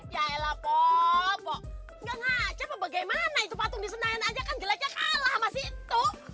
ya elah po nganca apa bagaimana itu patung di senayan aja kan jelajah kalah sama situ